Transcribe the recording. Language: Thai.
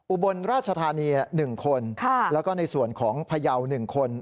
อุบลราชธานี๑คนแล้วก็ในส่วนของพยาว๑คน